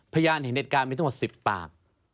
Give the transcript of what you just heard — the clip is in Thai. พยานเห็นเหตุการณ์มีทั้งหมด๑๐ปาก